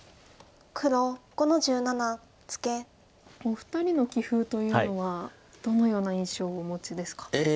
お二人の棋風というのはどのような印象をお持ちですか？